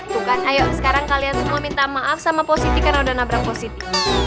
tuh kan ayo sekarang kalian semua minta maaf sama positif karena udah nabrak positif